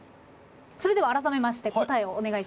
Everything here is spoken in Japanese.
それでは改めまして答えをお願いします。